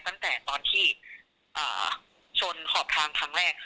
ตั้งแต่ตอนที่ชนขอบทางครั้งแรก